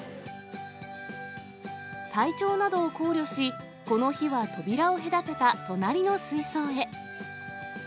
体調などを考慮し、この日は扉を隔てた隣の水槽へ。